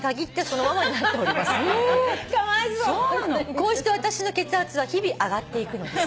「こうして私の血圧は日々上がっていくのです」